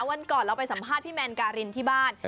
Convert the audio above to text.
วันก่อนเราไปสัมภาษณ์พี่แมนการินที่บ้าน